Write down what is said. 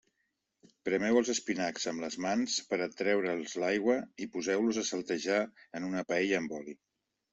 Premeu els espinacs amb les mans per a treure'ls l'aigua i poseu-los a saltejar en una paella amb oli.